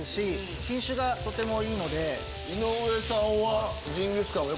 井上さんは。